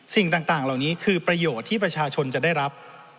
สิ่งต่างเหล่านี้คือประโยชน์ที่ประชาชนจะได้รับ